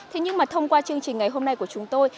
thế nhưng mà thông qua chương trình ngày hôm nay của chúng tôi